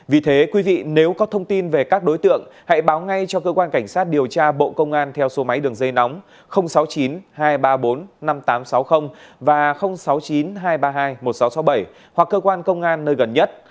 vì thế quý vị nếu có thông tin về các đối tượng hãy báo ngay cho cơ quan cảnh sát điều tra bộ công an theo số máy đường dây nóng sáu mươi chín hai trăm ba mươi bốn năm nghìn tám trăm sáu mươi và sáu mươi chín hai trăm ba mươi hai một nghìn sáu trăm sáu mươi bảy hoặc cơ quan công an nơi gần nhất